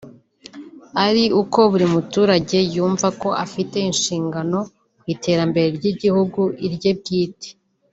ari uko buri muturage yumva ko afite inshingano ku iterambere ry’igihugu n’irye bwite